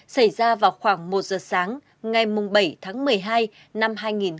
xảy ra vào khoảng một giờ sáng ngày bảy tháng một mươi hai năm hai nghìn một mươi ba